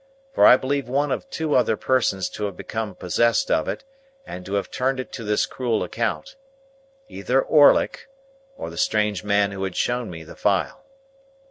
For I believed one of two other persons to have become possessed of it, and to have turned it to this cruel account. Either Orlick, or the strange man who had shown me the file.